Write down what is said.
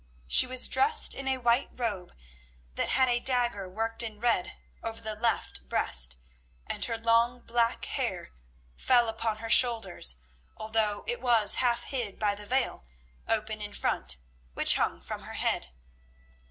She was dressed in a white robe that had a dagger worked in red over the left breast, and her long black hair fell upon her shoulders, although it was half hid by the veil, open in front, which hung from her head.